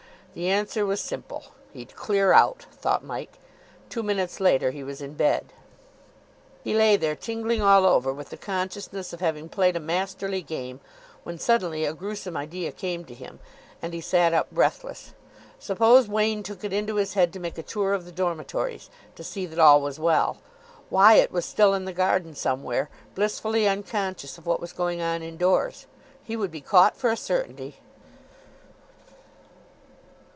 The answer was simple. "He'd clear out," thought Mike. Two minutes later he was in bed. He lay there, tingling all over with the consciousness of having played a masterly game, when suddenly a gruesome idea came to him, and he sat up, breathless. Suppose Wain took it into his head to make a tour of the dormitories, to see that all was well! Wyatt was still in the garden somewhere, blissfully unconscious of what was going on indoors. He would be caught for a certainty!